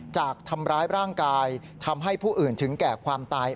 จากทำร้ายร่างกายทำให้ผู้อื่นถึงแก่ความตาย